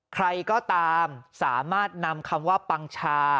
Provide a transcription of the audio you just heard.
ใครก็ตามสามารถนำคำว่าปังชา